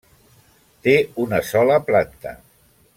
Té una sola planta.